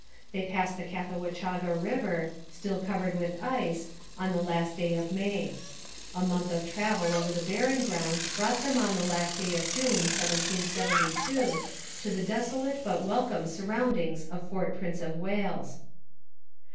They passed the Cathawachaga river, still covered with ice, on the last day of May. A month of travel over the barren grounds brought them on the last day of June 1772 to the desolate but welcome surroundings of Fort Prince of Wales.